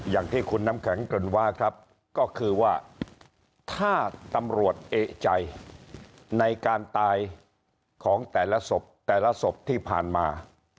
อย่างที่คุณน้ำแข็งเกริ่นว่าครับก็คือว่าถ้าตำรวจเอกใจในการตายของแต่ละศพแต่ละศพที่ผ่านมา